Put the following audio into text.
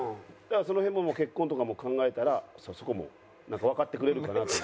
その辺ももう結婚とかも考えたらそこもなんかわかってくれるんかなと。